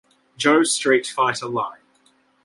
Joe Street Fighter line.